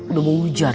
udah mau hujan